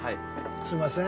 すいません。